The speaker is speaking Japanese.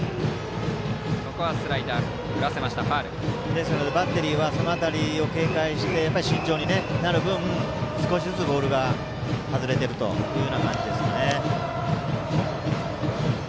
ですのでバッテリーはその辺りを警戒して慎重になる分少しずつボールが外れているという感じですかね。